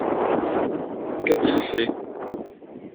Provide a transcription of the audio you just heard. Qu'a-t-il fait?